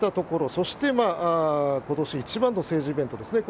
そして今年一番の政治イベントですね。